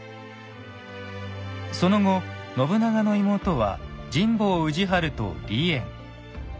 その後信長の妹は神保氏張と離縁。